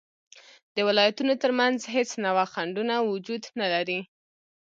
د ولایتونو تر منځ هیڅ نوعه خنډونه وجود نلري